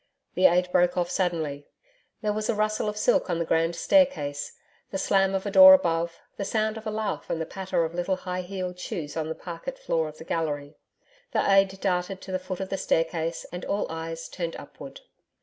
The AIDE broke off suddenly. There was a rustle of silk on the grand staircase the slam of a door above, the sound of a laugh and the patter of little high heeled shoes on the parquet floor of the gallery. The AIDE darted to the foot of the staircase and all eyes turned upward.